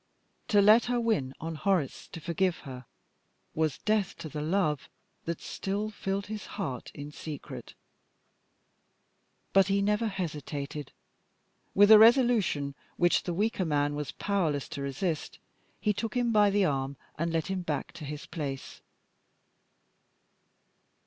To let her win on Horace to forgive her, was death to the love that still filled his heart in secret. But he never hesitated. With a resolution which the weaker man was powerless to resist, he took him by the arm and led him back to his place.